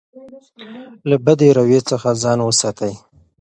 له بدې رویې څخه ځان وساتئ.